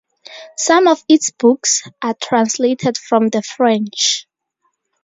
Some of its books are translated from the French.